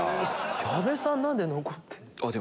矢部さん何で残ってんの？